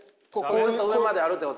ずっと上まであるってことですね？